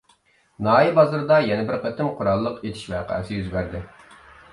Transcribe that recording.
ناھىيە بازىرىدا يەنە بىر قېتىم قوراللىق ئېتىش ۋەقەسى يۈز بەردى.